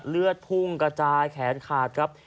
เลือดพุ่งกระจายแขนขาดครับ